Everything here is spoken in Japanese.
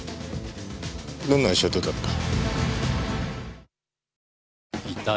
どんな足音だった？